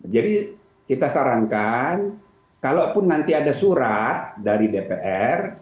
jadi kita sarankan kalaupun nanti ada surat dari dpr